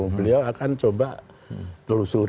beliau akan coba telusuri